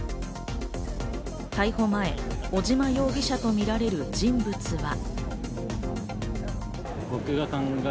逮捕前、尾島容疑者とみられる人物は。